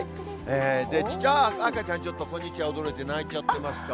赤ちゃん、ちょっとこんにちは、驚いて泣いちゃってますか？